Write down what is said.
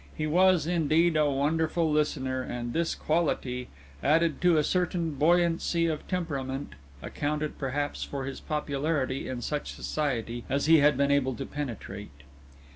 He was, indeed, a wonderful listener, and this quality, added to a certain buoyancy of temperament, accounted perhaps for his popularity in such society as he had been able to penetrate.